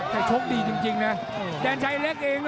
แต่โชคดีจริงนะแดนชัยเล็กเอง